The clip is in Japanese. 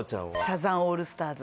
サザンオールスターズ